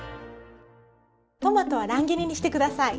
トマトは乱切りにして下さい。